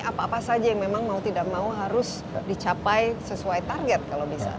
apa apa saja yang memang mau tidak mau harus dicapai sesuai target kalau bisa